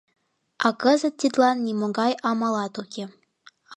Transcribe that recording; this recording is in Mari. А кызыт тидлан нимогай амалат уке.